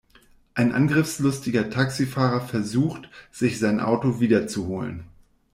Ein angriffslustiger Taxifahrer versucht, sich sein Auto wiederzuholen.